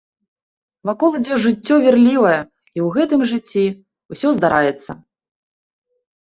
Вакол ідзе жыццё вірлівае, і ў гэтым жыцці ўсё здараецца.